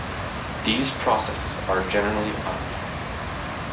These processes are generally automated.